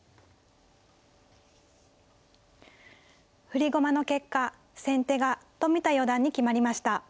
振り駒の結果先手が冨田四段に決まりました。